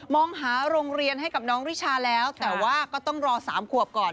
มองหาโรงเรียนให้กับน้องริชาแล้วแต่ว่าก็ต้องรอ๓ขวบก่อน